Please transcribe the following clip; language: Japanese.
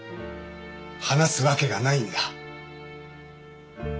話すわけがないんだ。